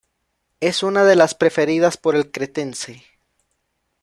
Es una de las preferidas por el cretense.